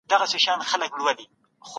که هګۍ وسوځي ستونزه رامنځته کېږي.